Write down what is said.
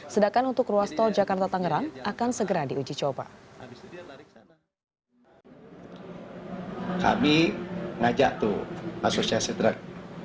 sedangkan untuk ruas tol jakarta cikampek